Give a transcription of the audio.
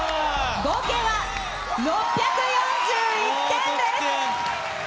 合計は６４１点です。